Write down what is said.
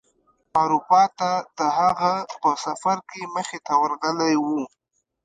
اروپا ته د هغه په سفر کې مخې ورغلی و.